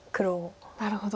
なるほど。